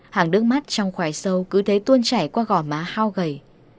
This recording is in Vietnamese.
hàng đứt mắt trong khoài sâu cứ thế tuôn chảy qua gò má hao gầy